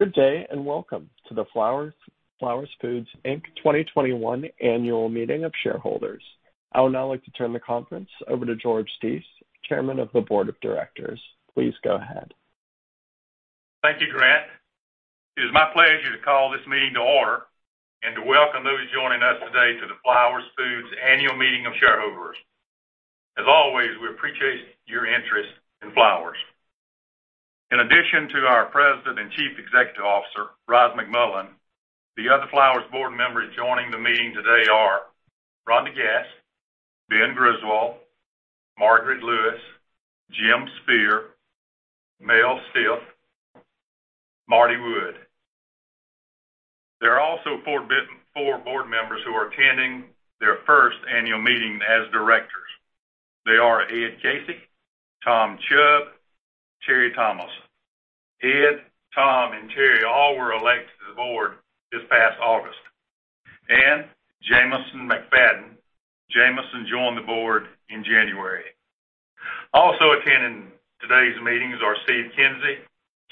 Good day, and welcome to the Flowers Foods, Inc. 2021 annual meeting of shareholders. I would now like to turn the conference over to George Deese, Chairman of the Board of Directors. Please go ahead. Thank you, Grant. It is my pleasure to call this meeting to order and to welcome those joining us today to the Flowers Foods annual meeting of shareholders. As always, we appreciate your interest in Flowers. In addition to our President and Chief Executive Officer, Ryals McMullian, the other Flowers board members joining the meeting today are Rhonda Gass, Ben Griswold, Margaret Lewis, Jim Spear, Mel Stith, Martin Wood. There are also four board members who are attending their first annual meeting as directors. They are Ed Casey, Tom Chubb, Terry Thomas. Ed, Tom and Terry all were elected to the board this past August. Jameson McFadden. Jameson joined the board in January. Also attending today's meetings are R. Steve Kinsey,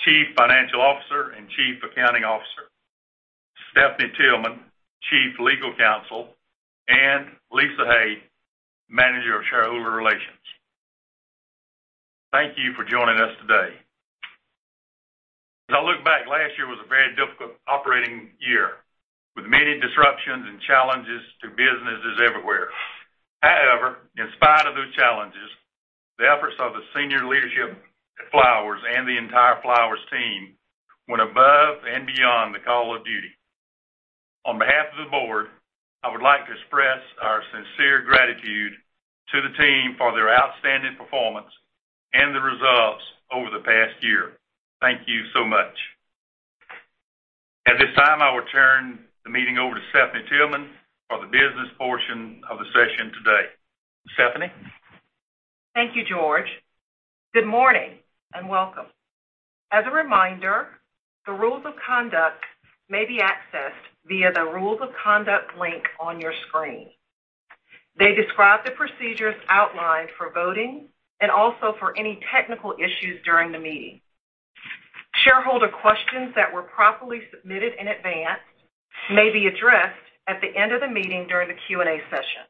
Chief Financial Officer and Chief Accounting Officer, Stephanie Tillman, Chief Legal Counsel, and Lisa Hay, Manager of Shareholder Relations. Thank you for joining us today. As I look back, last year was a very difficult operating year, with many disruptions and challenges to businesses everywhere. However, in spite of those challenges, the efforts of the senior leadership at Flowers and the entire Flowers team went above and beyond the call of duty. On behalf of the board, I would like to express our sincere gratitude to the team for their outstanding performance and the results over the past year. Thank you so much. At this time, I will turn the meeting over to Stephanie Tillman for the business portion of the session today. Stephanie? Thank you, George. Good morning, and welcome. As a reminder, the rules of conduct may be accessed via the Rules of Conduct link on your screen. They describe the procedures outlined for voting and also for any technical issues during the meeting. Shareholder questions that were properly submitted in advance may be addressed at the end of the meeting during the Q&A session.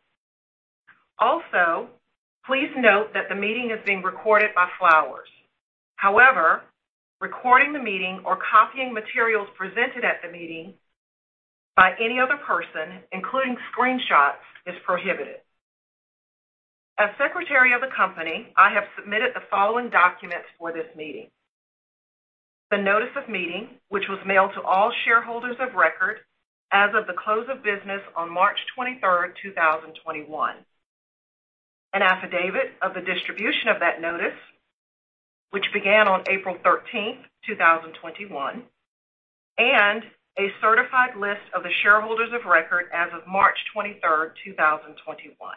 Please note that the meeting is being recorded by Flowers. Recording the meeting or copying materials presented at the meeting by any other person, including screenshots, is prohibited. As secretary of the company, I have submitted the following documents for this meeting, the notice of meeting, which was mailed to all shareholders of record as of the close of business on March 23rd, 2021, an affidavit of the distribution of that notice, which began on April 13th, 2021, and a certified list of the shareholders of record as of March 23rd, 2021.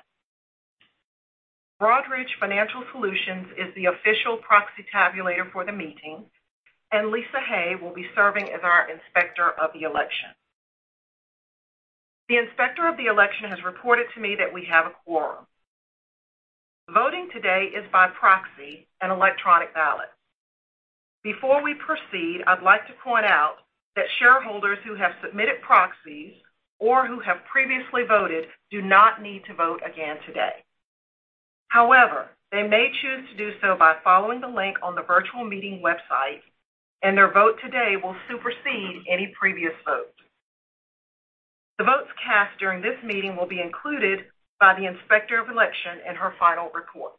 Broadridge Financial Solutions is the official proxy tabulator for the meeting, and Lisa Hay will be serving as our inspector of the election. The inspector of the election has reported to me that we have a quorum. Voting today is by proxy and electronic ballot. Before we proceed, I'd like to point out that shareholders who have submitted proxies or who have previously voted do not need to vote again today. They may choose to do so by following the link on the virtual meeting website, and their vote today will supersede any previous votes. The votes cast during this meeting will be included by the inspector of election in her final report.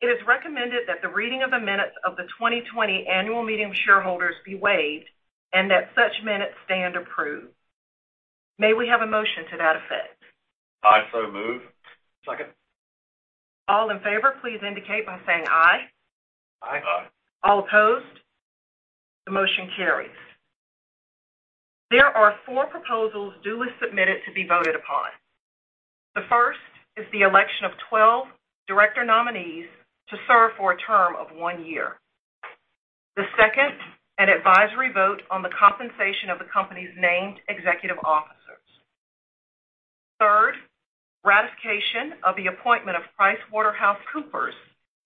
It is recommended that the reading of the minutes of the 2020 annual meeting of shareholders be waived and that such minutes stand approved. May we have a motion to that effect? I so move. Second. All in favor, please indicate by saying aye. Aye. Aye. All opposed? The motion carries. There are four proposals duly submitted to be voted upon. The first is the election of 12 director nominees to serve for a term of one year. The second, an advisory vote on the compensation of the company's named executive officers. Third, ratification of the appointment of PricewaterhouseCoopers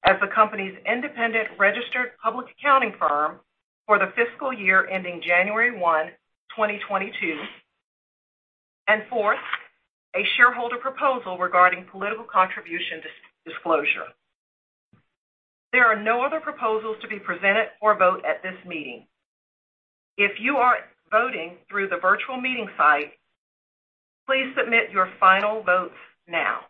as the company's independent registered public accounting firm for the fiscal year ending January 1, 2022. Fourth, a shareholder proposal regarding political contribution disclosure. There are no other proposals to be presented for vote at this meeting. If you are voting through the virtual meeting site, please submit your final votes now.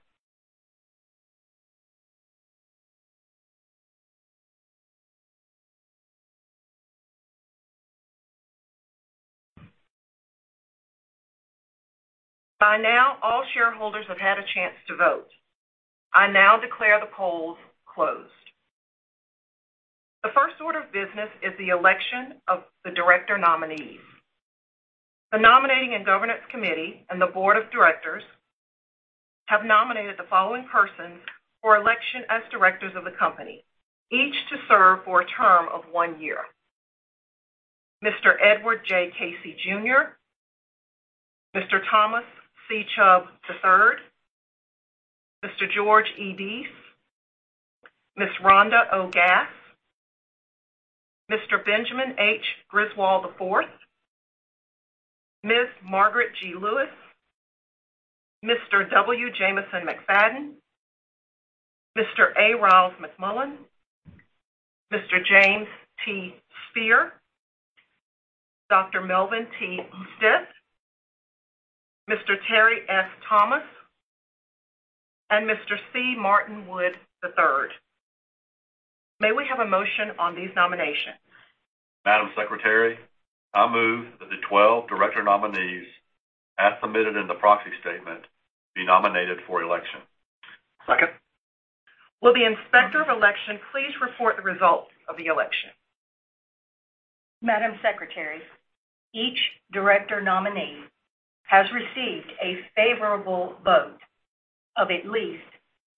By now, all shareholders have had a chance to vote. I now declare the polls closed. The first order of business is the election of the director nominees. The Nominating and Governance Committee and the Board of Directors have nominated the following persons for election as directors of the Company, each to serve for a term of one year: Mr. Edward J. Casey Jr. Mr. Thomas C. Chubb III, Mr. George E. Deese, Ms. Rhonda O. Gass, Mr. Benjamin H. Griswold IV, Ms. Margaret G. Lewis, Mr. W. Jameson McFadden, Mr. A. Ryals McMullian, Mr. James T. Spear, Dr. Melvin T. Stith, Mr. Terry S. Thomas, and Mr. C. Martin Wood III. May we have a motion on these nominations? Madam Secretary, I move that the 12 director nominees, as submitted in the proxy statement, be nominated for election. Second. Will the Inspector of Election please report the results of the election? Madam Secretary, each director nominee has received a favorable vote of at least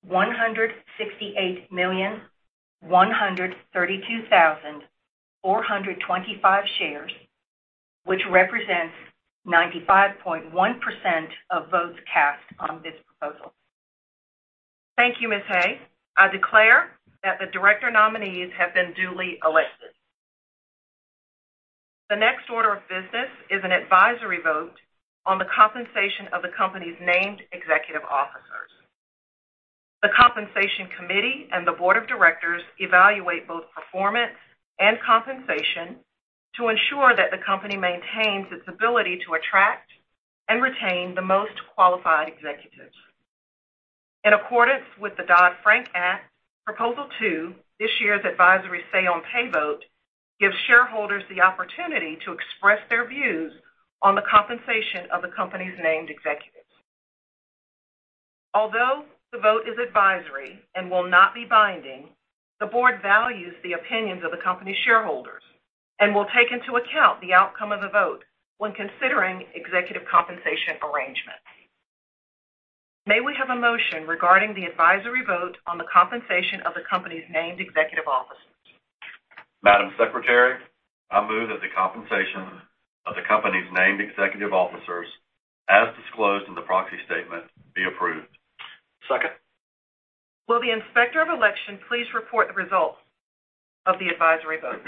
168,132,425 shares, which represents 95.1% of votes cast on this proposal. Thank you, Ms. Hay. I declare that the director nominees have been duly elected. The next order of business is an advisory vote on the compensation of the company's named executive officers. The Compensation Committee and the Board of Directors evaluate both performance and compensation to ensure that the company maintains its ability to attract and retain the most qualified executives. In accordance with the Dodd-Frank Act, Proposal Two, this year's advisory say on pay vote, gives shareholders the opportunity to express their views on the compensation of the company's named executives. Although the vote is advisory and will not be binding, the Board values the opinions of the company's shareholders and will take into account the outcome of the vote when considering executive compensation arrangements. May we have a motion regarding the advisory vote on the compensation of the company's named executive officers? Madam Secretary, I move that the compensation of the company's named executive officers, as disclosed in the proxy statement, be approved. Second. Will the Inspector of Election please report the results of the advisory vote?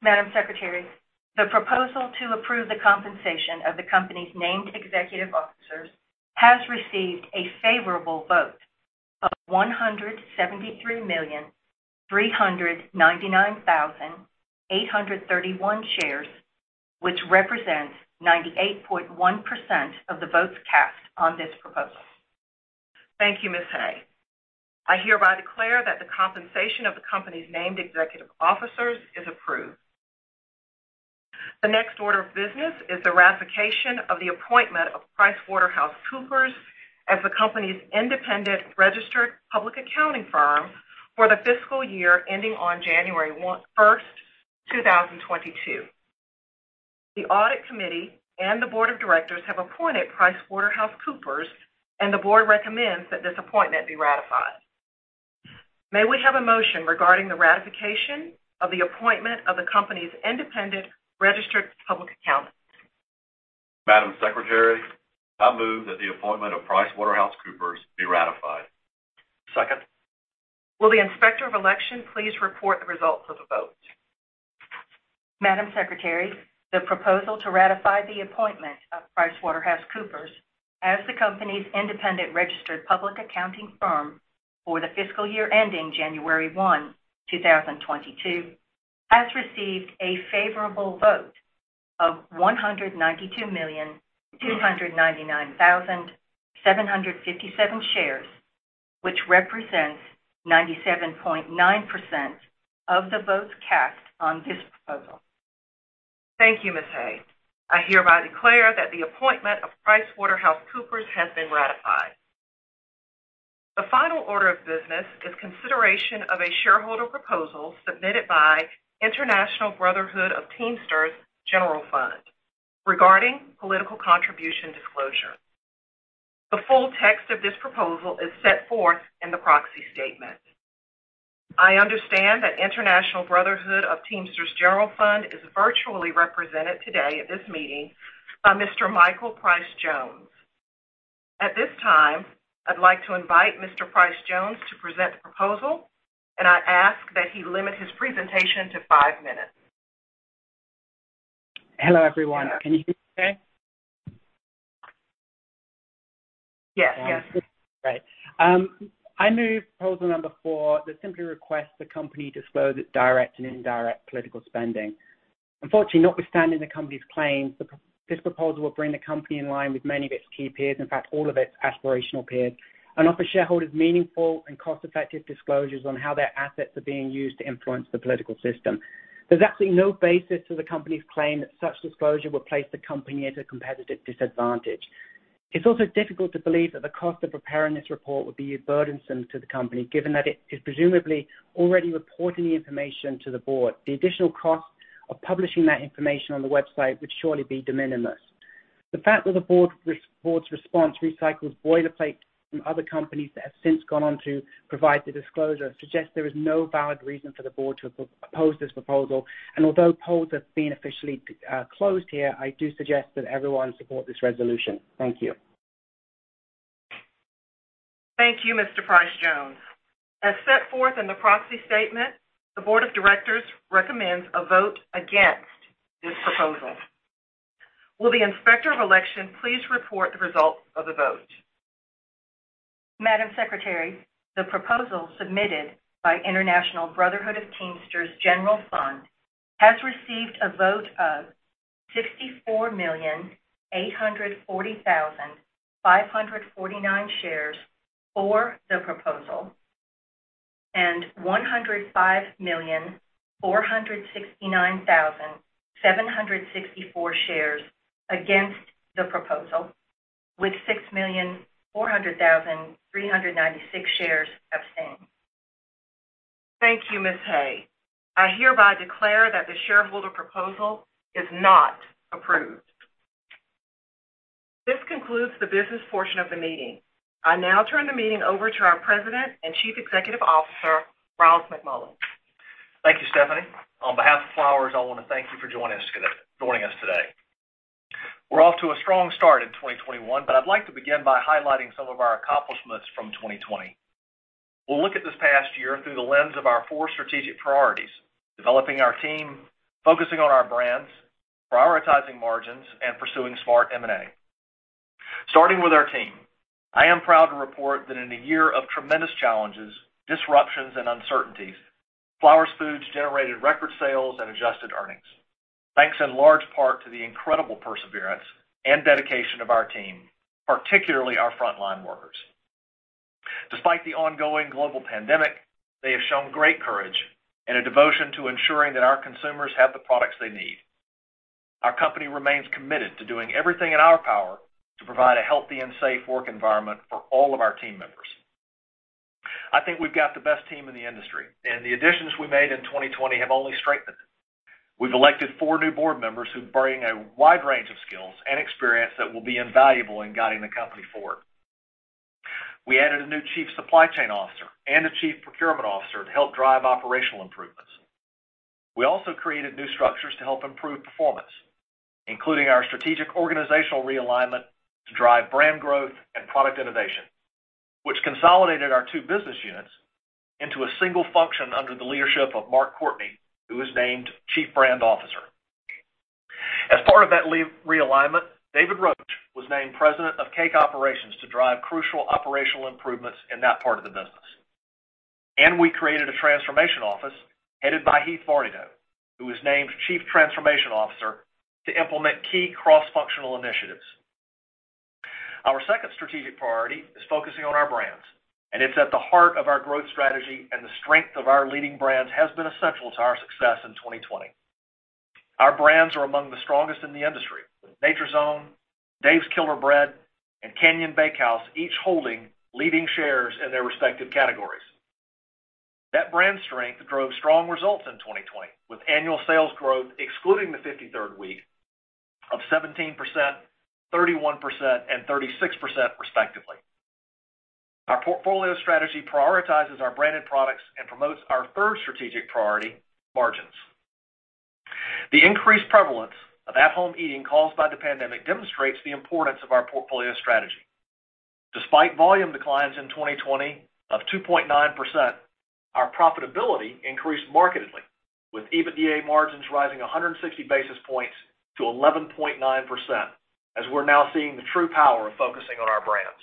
Madam Secretary, the proposal to approve the compensation of the company's named executive officers has received a favorable vote of 173,399,831 shares, which represents 98.1% of the votes cast on this proposal. Thank you, Ms. Hay. I hereby declare that the compensation of the company's named executive officers is approved. The next order of business is the ratification of the appointment of PricewaterhouseCoopers as the company's independent registered public accounting firm for the fiscal year ending on January 1st, 2022. The Audit Committee and the Board of Directors have appointed PricewaterhouseCoopers, and the Board recommends that this appointment be ratified. May we have a motion regarding the ratification of the appointment of the company's independent registered public accountant? Madam Secretary, I move that the appointment of PricewaterhouseCoopers be ratified. Second. Will the Inspector of Election please report the results of the vote? Madam Secretary, the proposal to ratify the appointment of PricewaterhouseCoopers as the company's independent registered public accounting firm for the fiscal year ending January 1, 2022, has received a favorable vote of 192,299,757 shares, which represents 97.9% of the votes cast on this proposal. Thank you, Ms. Hay. I hereby declare that the appointment of PricewaterhouseCoopers has been ratified. The final order of business is consideration of a shareholder proposal submitted by International Brotherhood of Teamsters General Fund regarding political contribution disclosure. The full text of this proposal is set forth in the proxy statement. I understand that International Brotherhood of Teamsters General Fund is virtually represented today at this meeting by Mr. Michael Pryce-Jones. At this time, I'd like to invite Mr. Michael Pryce-Jones to present the proposal, and I'd ask that he limit his presentation to five minutes. Hello, everyone. Can you hear me okay? Yes. Great. I move proposal number four that simply requests the company disclose its direct and indirect political spending. Unfortunately, notwithstanding the company's claims, this proposal will bring the company in line with many of its key peers, in fact, all of its aspirational peers, and offer shareholders meaningful and cost-effective disclosures on how their assets are being used to influence the political system. There's absolutely no basis to the company's claim that such disclosure will place the company at a competitive disadvantage. It's also difficult to believe that the cost of preparing this report would be burdensome to the company, given that it is presumably already reporting the information to the board. The additional cost of publishing that information on the website would surely be de minimis. The fact that the board's response recycles boilerplate from other companies that have since gone on to provide the disclosure suggests there is no valid reason for the board to oppose this proposal. Although polls have been officially closed here, I do suggest that everyone support this resolution. Thank you. Thank you, Mr. Pryce-Jones. As set forth in the proxy statement, the board of directors recommends a vote against this proposal. Will the Inspector of Election please report the results of the vote? Madam Secretary, the proposal submitted by International Brotherhood of Teamsters General Fund has received a vote of 64,840,549 shares for the proposal and 105,469,764 shares against the proposal, with 6,400,396 shares abstained. Thank you, Ms. Hay. I hereby declare that the shareholder proposal is not approved. This concludes the business portion of the meeting. I now turn the meeting over to our President and Chief Executive Officer, Ryals McMullian. Thank you, Stephanie. On behalf of Flowers, I want to thank you for joining us today. We're off to a strong start in 2021, but I'd like to begin by highlighting some of our accomplishments from 2020. We'll look at this past year through the lens of our four strategic priorities, developing our team, focusing on our brands, prioritizing margins, and pursuing smart M&A. Starting with our team, I am proud to report that in a year of tremendous challenges, disruptions, and uncertainties, Flowers Foods generated record sales and adjusted earnings. Thanks in large part to the incredible perseverance and dedication of our team, particularly our frontline workers. Despite the ongoing global pandemic, they have shown great courage and a devotion to ensuring that our consumers have the products they need. Our company remains committed to doing everything in our power to provide a healthy and safe work environment for all of our team members. I think we've got the best team in the industry, and the additions we made in 2020 have only strengthened it. We've elected four new board members who bring a wide range of skills and experience that will be invaluable in guiding the company forward. We added a new chief supply chain officer and a chief procurement officer to help drive operational improvements. We also created new structures to help improve performance, including our strategic organizational realignment to drive brand growth and product innovation, which consolidated our two business units into a single function under the leadership of Mark Courtney, who was named Chief Brand Officer. As part of that realignment, David Roach was named President of Cake Operations to drive crucial operational improvements in that part of the business. We created a transformation office headed by Heeth Varnedoe, who was named Chief Transformation Officer to implement key cross-functional initiatives. Our second strategic priority is focusing on our brands, and it's at the heart of our growth strategy, and the strength of our leading brand has been essential to our success in 2020. Our brands are among the strongest in the industry, with Nature's Own, Dave's Killer Bread, and Canyon Bakehouse each holding leading shares in their respective categories. That brand strength drove strong results in 2020, with annual sales growth excluding the 53rd week of 17%, 31%, and 36% respectively. Our portfolio strategy prioritizes our branded products and promotes our third strategic priority, margins. The increased prevalence of at-home eating caused by the pandemic demonstrates the importance of our portfolio strategy. Despite volume declines in 2020 of 2.9%, our profitability increased markedly, with EBITDA margins rising 160 basis points to 11.9% as we're now seeing the true power of focusing on our brands.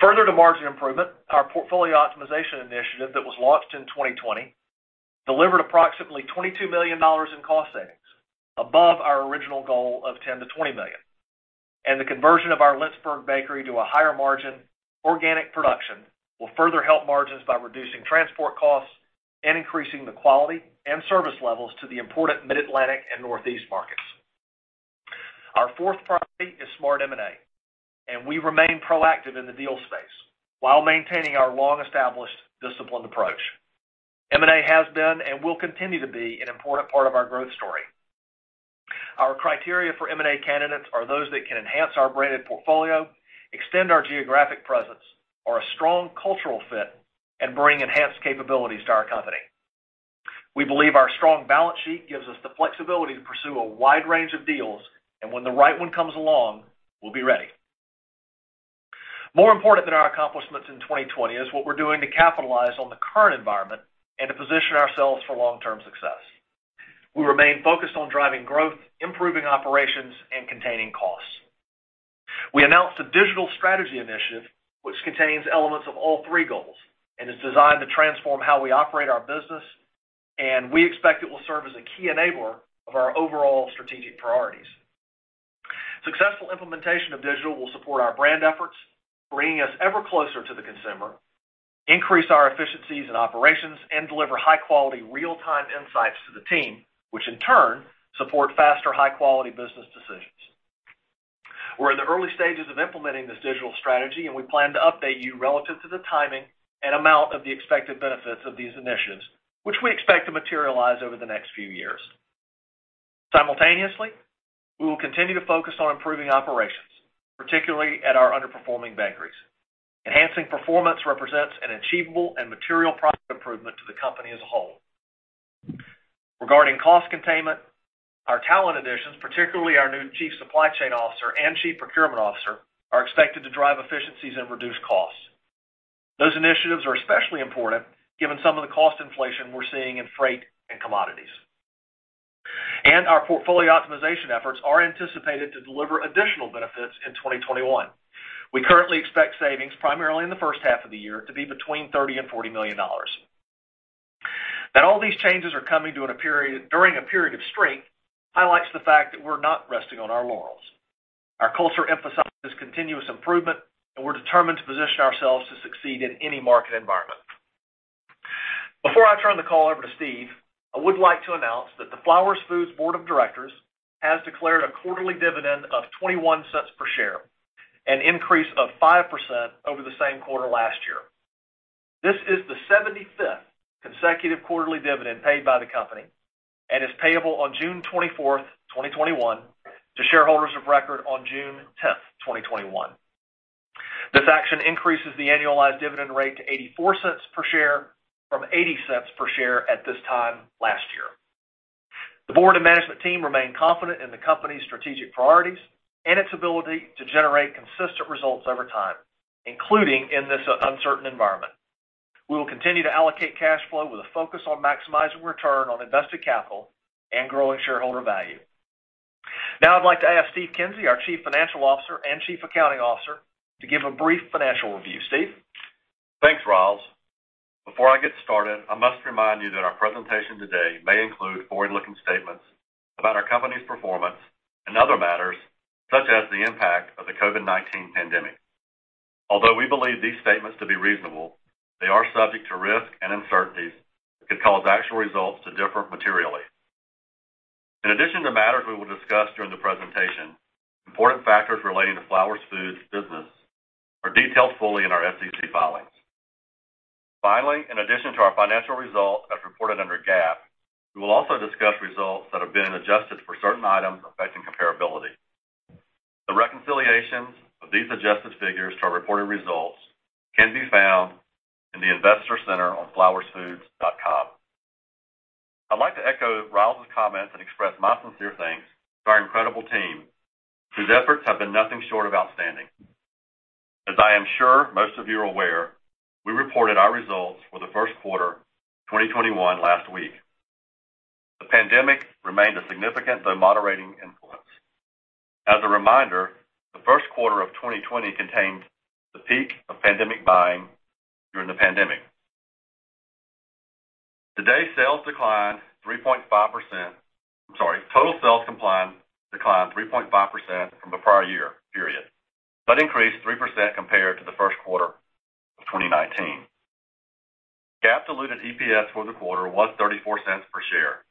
Further to margin improvement, our portfolio optimization initiative that was launched in 2020 delivered approximately $22 million in cost savings above our original goal of $10 million-$20 million. The conversion of our Lynchburg bakery to a higher margin organic production will further help margins by reducing transport costs and increasing the quality and service levels to the important Mid-Atlantic and Northeast markets. Our fourth priority is smart M&A, and we remain proactive in the deal space while maintaining our long-established disciplined approach. M&A has been and will continue to be an important part of our growth story. Our criteria for M&A candidates are those that can enhance our branded portfolio, extend our geographic presence, are a strong cultural fit, and bring enhanced capabilities to our company. We believe our strong balance sheet gives us the flexibility to pursue a wide range of deals, and when the right one comes along, we'll be ready. More important than our accomplishments in 2020 is what we're doing to capitalize on the current environment and to position ourselves for long-term success. We remain focused on driving growth, improving operations, and containing costs. We announced a Digital Strategy Initiative, which contains elements of all three goals and is designed to transform how we operate our business, and we expect it will serve as a key enabler of our overall strategic priorities. Successful implementation of digital will support our brand efforts, bringing us ever closer to the consumer, increase our efficiencies and operations, and deliver high-quality real-time insights to the team, which in turn support faster, high-quality business decisions. We're in the early stages of implementing this digital strategy, and we plan to update you relative to the timing and amount of the expected benefits of these initiatives, which we expect to materialize over the next few years. Simultaneously, we will continue to focus on improving operations, particularly at our underperforming bakeries. Enhancing performance represents an achievable and material profit improvement to the company as a whole. Regarding cost containment, our talent additions, particularly our new chief supply chain officer and chief procurement officer, are expected to drive efficiencies and reduce costs. Those initiatives are especially important given some of the cost inflation we're seeing in freight and commodities. Our portfolio optimization efforts are anticipated to deliver additional benefits in 2021. We currently expect savings primarily in the first half of the year to be between $30 million and $40 million. All these changes are coming during a period of strength highlights the fact that we're not resting on our laurels. Our culture emphasizes continuous improvement, and we're determined to position ourselves to succeed in any market environment. Before I turn the call over to Steve, I would like to announce that the Flowers Foods Board of Directors has declared a quarterly dividend of $0.21 per share, an increase of 5% over the same quarter last year. This is the 75th consecutive quarterly dividend paid by the company, and is payable on June 24th, 2021, to shareholders of record on June 10th, 2021. This action increases the annualized dividend rate to $0.84 per share from $0.80 per share at this time last year. The board and management team remain confident in the company's strategic priorities and its ability to generate consistent results over time, including in this uncertain environment. We will continue to allocate cash flow with a focus on maximizing return on invested capital and growing shareholder value. Now I'd like to ask Steve Kinsey, our Chief Financial Officer and Chief Accounting Officer, to give a brief financial review. Steve? Thanks, Ryals. Before I get started, I must remind you that our presentation today may include forward-looking statements about our company's performance and other matters, such as the impact of the COVID-19 pandemic. Although we believe these statements to be reasonable, they are subject to risks and uncertainties that could cause actual results to differ materially. In addition to matters we will discuss during the presentation, important factors relating to Flowers Foods business are detailed fully in our SEC filings. Finally, in addition to our financial results as reported under GAAP, we will also discuss results that have been adjusted for certain items affecting comparability. The reconciliations of these adjusted figures to our reported results can be found in the Investor Center on flowersfoods.com. I'd like to echo Ryals's comments and express my sincere thanks to our incredible team, whose efforts have been nothing short of outstanding. As I am sure most of you are aware, we reported our results for the first quarter of 2021 last week. The pandemic remained a significant though moderating influence. As a reminder, the first quarter of 2020 contained the peak of pandemic buying during the pandemic. Total sales declined 3.5% from the prior year period, but increased 3% compared to the first quarter of 2019. GAAP diluted EPS for the quarter was $0.34 per share.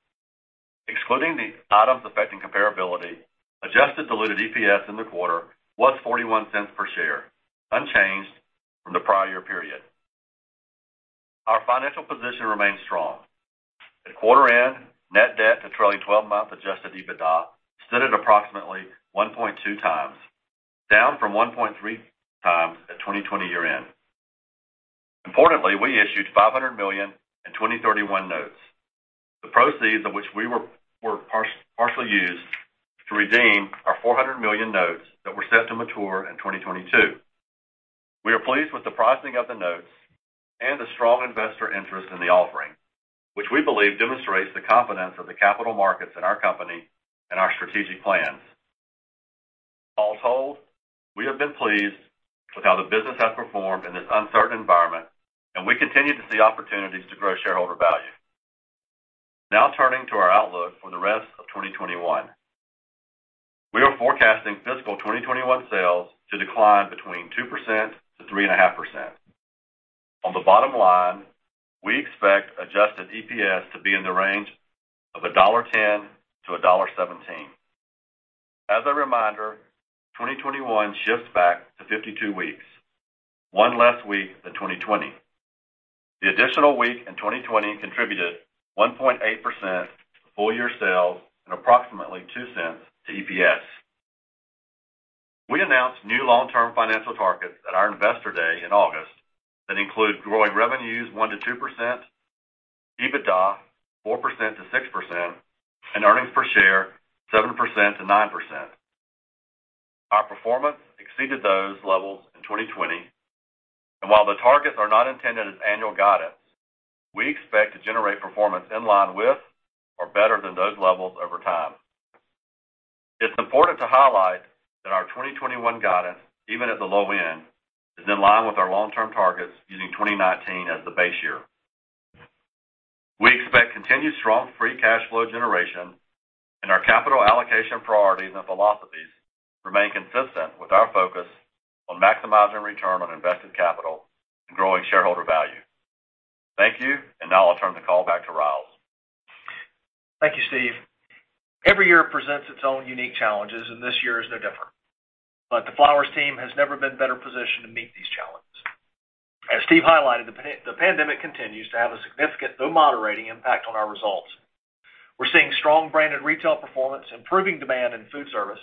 Excluding the items affecting comparability, adjusted diluted EPS in the quarter was $0.41 per share, unchanged from the prior year period. Our financial position remains strong. At quarter end, net debt to trailing 12-month adjusted EBITDA stood at approximately 1.2x, down from 1.3x at 2020 year-end. Importantly, we issued $500 million in 2031 notes, the proceeds of which were partially used to redeem our $400 million notes that were set to mature in 2022. We are pleased with the pricing of the notes and the strong investor interest in the offering, which we believe demonstrates the confidence of the capital markets in our company and our strategic plans. All told, we have been pleased with how the business has performed in this uncertain environment, and we continue to see opportunities to grow shareholder value. Now turning to our outlook for the rest of 2021. We are forecasting fiscal 2021 sales to decline between 2%-3.5%. On the bottom line, we expect adjusted EPS to be in the range of $1.10-$1.17. As a reminder, 2021 shifts back to 52 weeks, one less week than 2020. The additional week in 2020 contributed 1.8% to full year sales and approximately $0.02 to EPS. We announced new long-term financial targets at our Investor Day in August that include growing revenues 1%-2%, EBITDA 4%-6%, and earnings per share 7%-9%. Our performance exceeded those levels in 2020, while the targets are not intended as annual guidance, we expect to generate performance in line with or better than those levels over time. It's important to highlight that our 2021 guidance, even at the low end, is in line with our long-term targets using 2019 as the base year. We expect continued strong free cash flow generation, our capital allocation priorities and philosophies remain consistent with our focus on maximizing return on invested capital and growing shareholder value. Thank you, now I'll turn the call back to Ryals McMullian. Thank you, Steve. Every year presents its own unique challenges. This year is no different. The Flowers team has never been better positioned to meet these challenges. As Steve highlighted, the pandemic continues to have a significant, though moderating, impact on our results. We're seeing strong branded retail performance, improving demand in food service,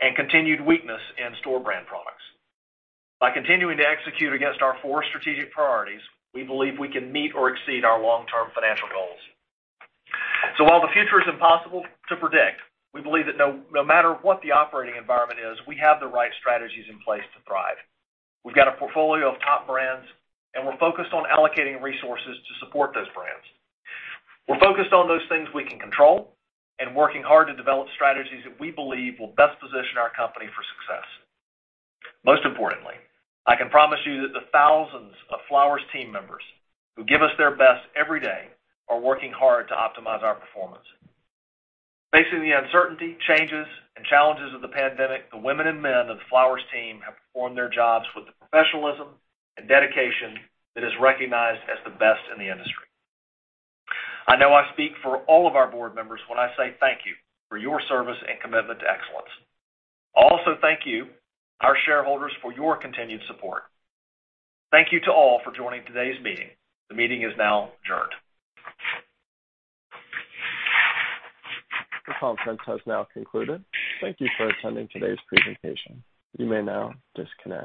and continued weakness in store brand products. By continuing to execute against our four strategic priorities, we believe we can meet or exceed our long-term financial goals. While the future is impossible to predict, we believe that no matter what the operating environment is, we have the right strategies in place to thrive. We've got a portfolio of top brands, and we're focused on allocating resources to support those brands. We're focused on those things we can control and working hard to develop strategies that we believe will best position our company for success. Most importantly, I can promise you that the thousands of Flowers team members who give us their best every day are working hard to optimize our performance. Facing the uncertainty, changes, and challenges of the pandemic, the women and men of the Flowers team have performed their jobs with the professionalism and dedication that is recognized as the best in the industry. I know I speak for all of our board members when I say thank you for your service and commitment to excellence. Thank you, our shareholders, for your continued support. Thank you to all for joining today's meeting. The meeting is now adjourned. This conference has now concluded. Thank Thank you for attending today's presentation. You may now disconnect.